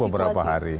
baru beberapa hari